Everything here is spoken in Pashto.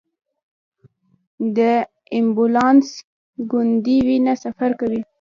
د ایمبولوس ګڼېدلې وینه سفر کوي.